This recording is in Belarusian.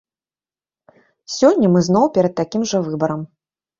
Сёння мы зноў перад такім жа выбарам.